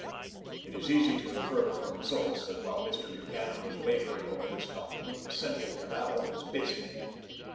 It is easy to infer from results, that while Mr. Buchanan was laboring over this document the central cabal was busy.